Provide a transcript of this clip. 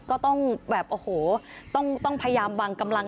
ก็ต้องแบบโอ้โหต้องพยายามวางกำลัง